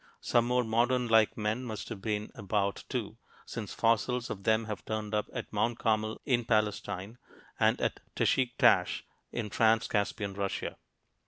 Some more modern like men must have been about, too, since fossils of them have turned up at Mount Carmel in Palestine, and at Teshik Tash, in Trans caspian Russia.